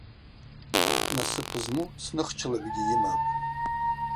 Насып зму цныхчылгӏвгьи йымапӏ.